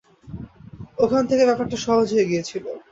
ওখান থেকে ব্যাপারটা সহজ হয়ে গিয়েছিল।